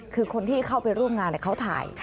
คือคนที่เข้าไปร่วมงานเขาถ่าย